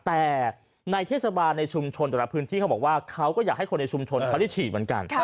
แต่ในเทศบาลในชุมชนแต่ละพื้นที่เขาบอกว่าเขาก็อยากให้คนในชุมชนเขาได้ฉีดเหมือนกัน